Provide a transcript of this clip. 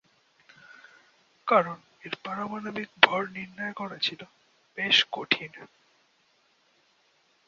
কারণ এর পারমাণবিক ভর নির্ণয় করা ছিল বেশ কঠিন।